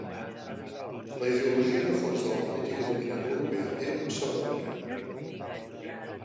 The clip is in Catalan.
La ideologia de fons de la política dominant europea era conservadora.